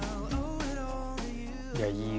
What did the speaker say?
いやいい。